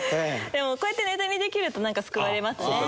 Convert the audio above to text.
でもこうやってネタにできるとなんか救われますね。